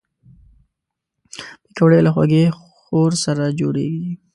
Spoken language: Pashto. پکورې له خوږې خور سره جوړېږي